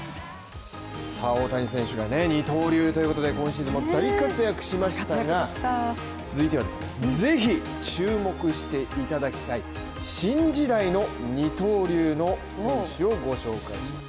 大谷選手が二刀流ということで今シーズンも大活躍しましたが続いてはぜひ注目していただきたい新時代の二刀流の選手をご紹介します。